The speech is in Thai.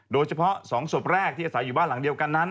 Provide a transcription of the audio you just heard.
โดยเฉพาะ๒ศพแรกที่อาศัยอยู่บ้านหลังเดียวกันนั้น